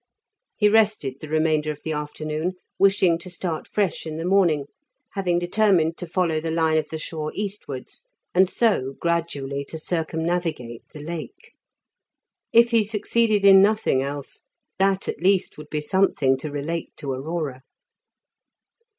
He rested the remainder of the afternoon, wishing to start fresh in the morning, having determined to follow the line of the shore eastwards, and so gradually to circumnavigate the Lake. If he succeeded in nothing else, that at least would be something to relate to Aurora.